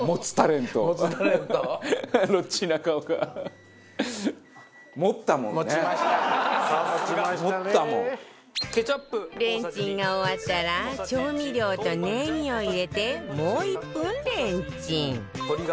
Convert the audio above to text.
レンチンが終わったら調味料とネギを入れてもう１分レンチン